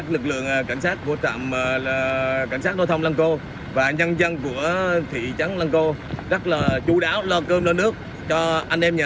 lực lượng cảnh sát giao thông khu lọc đã ủng hộ một năm trăm linh phương số phương tiện